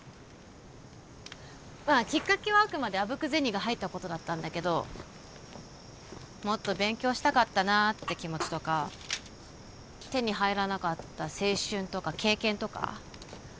まあきっかけはあくまであぶく銭が入ったことだったんだけどもっと勉強したかったなって気持ちとか手に入らなかった青春とか経験とか？